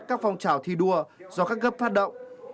các phong trào thi đua do các cấp phát động